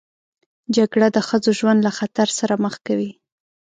جګړه د ښځو ژوند له خطر سره مخ کوي